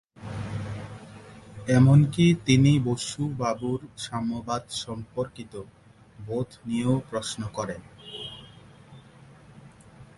এমনকি তিনি বসু বাবুর সাম্যবাদ সম্পর্কিত বোধ নিয়েও প্রশ্ন করেন।